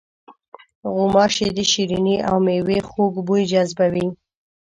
غوماشې د شریني او میوې خوږ بوی جذبوي.